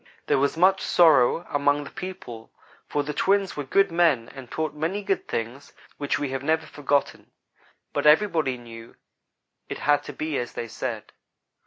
"There was much sorrow among the people, for the twins were good men and taught many good things which we have never forgotten, but everybody knew it had to be as they said.